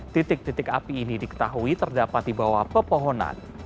titik titik api ini diketahui terdapat di bawah pepohonan